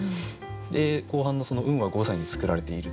で後半の「運は五歳に作られている」。